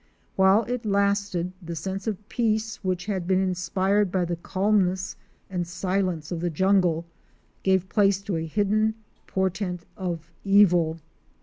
While it lasted, the sense of peace which had been inspired by the calmness and silence of the jungle gave place to a hidden portent of evil.